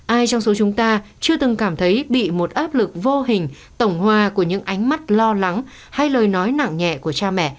ai trong số chúng ta chưa từng cảm thấy bị một áp lực vô hình tổng hòa của những ánh mắt lo lắng hay lời nói nặng nhẹ của cha mẹ